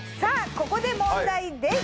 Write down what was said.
ここで問題です。